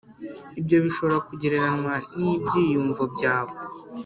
Ibyo bishobora kugereranywa n ibyiyumvo byawe